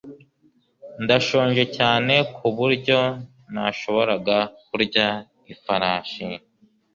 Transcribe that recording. Ndashonje cyane kuburyo nashoboraga kurya ifarashi.